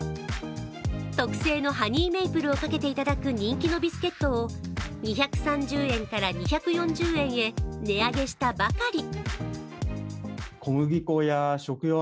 特製のハニーメイプルをかけて頂く人気のビスケットを２３０円から２４０円へ値上げしたばかり。